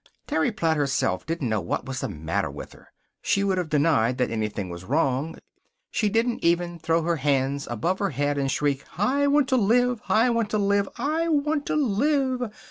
Terry Platt herself didn't know what was the matter with her. She would have denied that anything was wrong. She didn't even throw her hands above her head and shriek: "I want to live! I want to live! I want to live!"